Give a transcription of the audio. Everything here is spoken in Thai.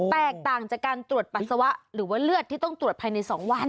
แตกต่างจากการตรวจปัสสาวะหรือว่าเลือดที่ต้องตรวจภายใน๒วัน